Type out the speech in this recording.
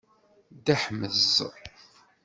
Ddehmeẓ.